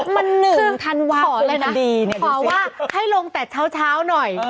มันหนึ่งทันวาคมกดีนี่ดูสิขอเลยนะขอว่าให้ลงแต่เช้าหน่อย